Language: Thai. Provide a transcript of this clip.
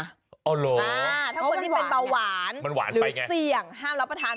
อ๋อเหรอเพราะว่าเป็นเบาหวานหรือเสี่ยงห้ามรับประทาน